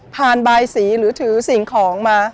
ผ่านใบสีหรือถือสิ่งของมา